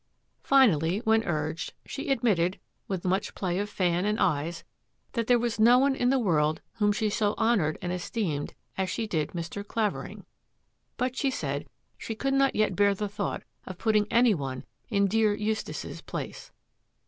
Finally, when urged, she admitted, with much play of fan and eyes, that there was no one in the world whom she so honoured and esteemed as she did Mr. Clavering, but she said she could not yet bear the thought of putting any one in dear Eustace's place.